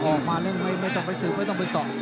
ออกมาไม่ต้องไปซื้อไม่ต้องไปส่อง